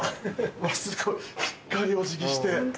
うわすごいしっかりお辞儀して。